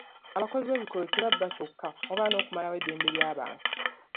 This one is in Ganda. Abakozi b'ebikolobero tebabba kyokka wabula nokumalawo eddembe ly'abantu.